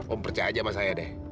om percaya aja sama saya deh